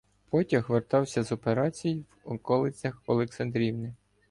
Потяг вертався з "операції" в околицях Олександрівни.